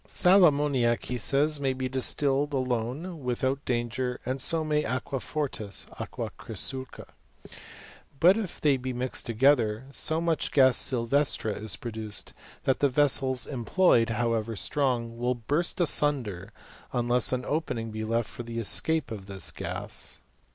.. Sal ammoniac, he says, may be distilled alone, with out danger, and so may aqua fortit (aqua chrysulca)^ but if they be mixed together so much gas sylvestre is produced, that the vessels employed, however strong, will burst asunder, unless an opening be left for the escape of this gas.